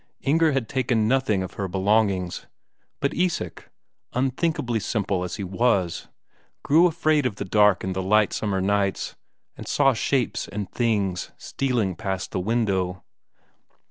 Inger had taken nothing of her belongings. But Isak, unthinkably simple as he was, grew afraid of the dark in the light summer nights, and saw Shapes and Things stealing past the window.